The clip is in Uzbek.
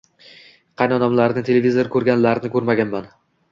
Qaynonamlarni televizor koʻrganlarini koʻrmaganman.